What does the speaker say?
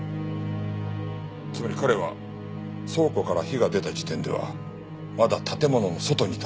つまり彼は倉庫から火が出た時点ではまだ建物の外にいたんです。